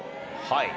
はい。